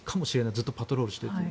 ずっとパトロールしていても。